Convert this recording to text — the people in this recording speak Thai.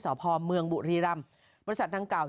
สพเมืองบุรีรำบริษัทดังกล่าว